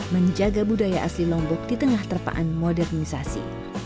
menjaga budaya asli lombok di tengah terpaan modernisasi